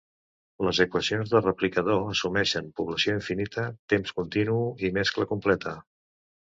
Les equacions de replicador assumeixen població infinita, temps continu i mescla completa.